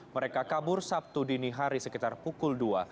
mereka kabur sabtu dini hari sekitar pukul dua